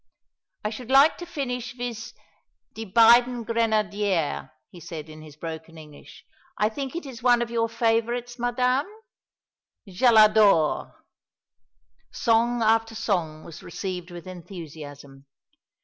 "I should like to finish viz 'Die beiden Grenadiere,'" he said in his broken English. "I think it is one of your favourites, ma'am?" "Je l'adore." Song after song was received with enthusiasm.